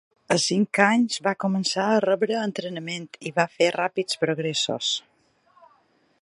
A cinc anys, va començar a rebre entrenament, i va fer ràpids progressos.